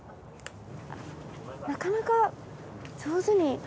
なかなか上手に。